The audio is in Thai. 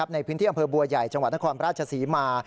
ในพื้นที่อำเภอบัวใหญ่จังหวัดนครราชศรีมา